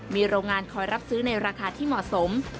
มีโรงงานคอยรับซื้อในราคาที่เหมาะสม